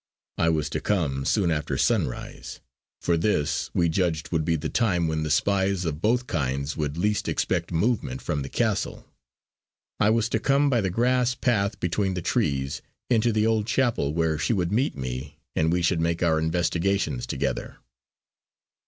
I was to come soon after sunrise, for this we judged would be the time when the spies of both kinds would least expect movement from the castle. I was to come by the grass path between the trees into the old chapel where she would meet me and we should make our investigations together.